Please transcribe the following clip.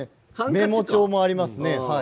メモ帳がありますね。